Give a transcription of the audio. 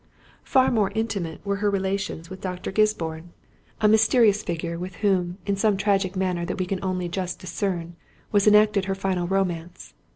Far more intimate were her relations with Dr. Gisborne—a mysterious figure, with whom, in some tragic manner that we can only just discern, was enacted her final romance.